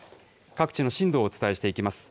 各地の震度をお伝えしていきます。